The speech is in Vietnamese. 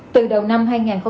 từ đầu năm hai nghìn hai mươi một